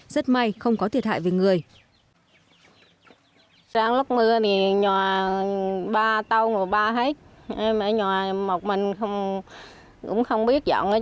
rất may không có thiệt hại về người